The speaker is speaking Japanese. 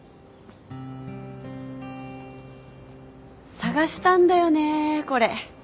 探したんだよねこれ。